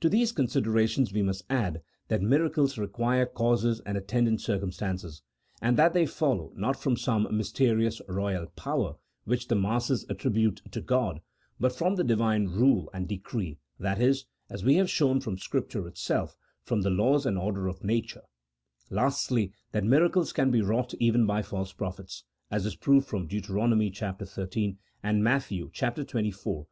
To these considerations we must add, that miracles re CHAP. VI.] OF MIRACLES. 97 quire causes and attendant circumstances, and that they follow, not from some mysterious royal power which the masses attribute to God, but from the Divine rule and de cree, that is (as we have shown from Scripture itself) from the laws and order of nature ; lastly, that miracles can be wrought even by false prophets, as is proved from Deut. xiii. and Matt. xxiv. 24.